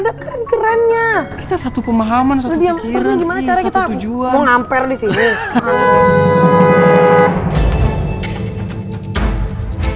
lo kenapa senyip cap lo gak abis abis tau gak sih